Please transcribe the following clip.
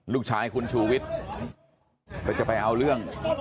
ลูกชายคุณชูวิทย์ก็จะไปเอาเรื่อง